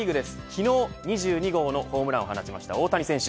昨日、２２号のホームランを放った大谷選手